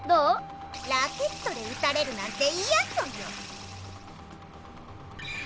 ラケットで打たれるなんていやソヨ！